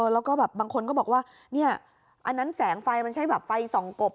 แล้วก็แบบบางคนก็บอกว่าเนี่ยอันนั้นแสงไฟมันใช่แบบไฟส่องกบ